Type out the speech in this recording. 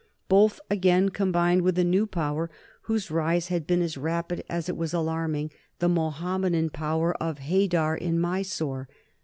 Both again combined with a new power whose rise had been as rapid as it was alarming, the Mohammedan power of Haidar in Mysore.